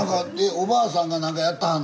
おばあさんが何かやってはんの？